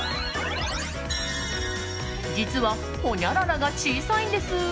実はほにゃららが小さいんです。